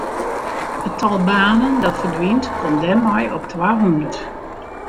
It tal banen dat ferdwynt komt dêrmei op twahûndert.